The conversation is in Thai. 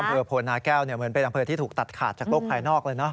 อำเภอโพนาแก้วเหมือนเป็นอำเภอที่ถูกตัดขาดจากโลกภายนอกเลยเนอ